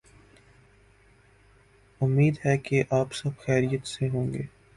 امید ہے کہ آپ سب خیریت سے ہوں گے۔